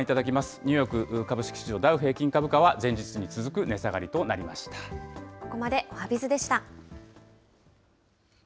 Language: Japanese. ニューヨーク株式市場ダウ平均株価は、前日に続く値下がりとなりここまでおはＢｉｚでした。